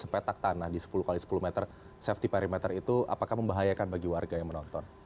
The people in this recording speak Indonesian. zat radioaktif di sepetak tanah di sepuluh x sepuluh meter safety parameter itu apakah membahayakan bagi warga yang menonton